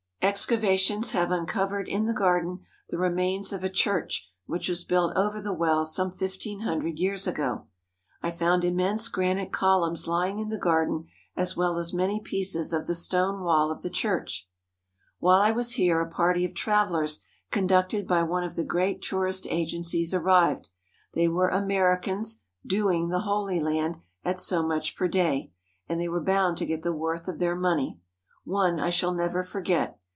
Excavations have uncovered in the garden the remains of a church which was built over the well some fifteen hundred years ago. I found immense granite columns lying in the garden as well as many pieces of the stone wall of the church. While I was here a party of travellers conducted by one of the great tourist agencies arrived. They were Amer icans "doing" the Holy Land at so much per day, and they were bound to get the worth of their money. One I shall never forget.